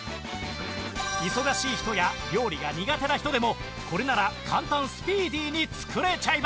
忙しい人や料理が苦手な人でもこれなら簡単スピーディーに作れちゃいます